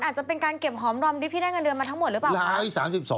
อาจจะเป็นการเก็บหอมรอมดิบที่ได้เงินเดือนมาทั้งหมดหรือเปล่า